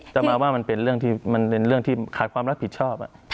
จะมาว่ามันเป็นเรื่องที่มันเป็นเรื่องที่ขาดความรับผิดชอบ